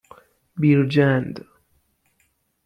بیرجند